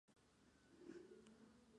Levy sentía gran admiración por Jefferson.